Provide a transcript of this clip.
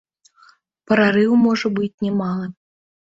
Прарыў можа быць не малы.